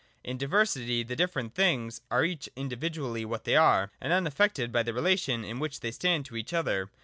In Diversity the dif ferent things are each individually what they are, and unaffected by the relation in which they stand to each other.